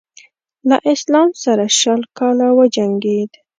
له اسلام سره شل کاله وجنګېد.